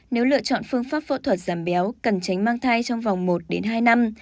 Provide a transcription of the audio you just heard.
nếu lựa chọn phương pháp phẫu thuật giảm béo cần tránh mang thai trong vòng một đến hai năm